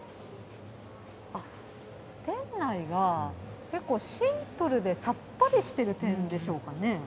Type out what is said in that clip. あっ、店内が結構シンプルで、さっぱりしてる点でしょうかね。